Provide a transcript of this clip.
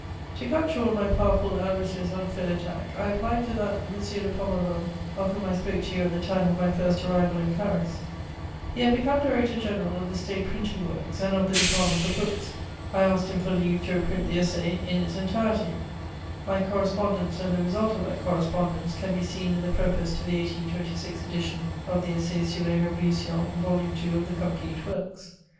To cut short my powerful adversary's unfair attack, I applied to that M. de Pommereul of whom I spoke to you at the time of my first arrival in Paris: he had become director general of the State printing works and of the department of books. I asked him for leave to reprint the Essai in its entirety. My correspondence and the result of that correspondence can be seen in the preface to the 1826 edition of the Essai sur les Révolutions, vol. II. of the Complete Works.